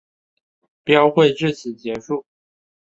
标会至此结束。